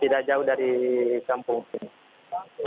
tidak jauh dari kampung